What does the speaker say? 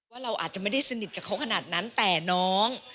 เราอาจจะไม่ได้สนิทกับเขาขนาดนั้นแต่น้อง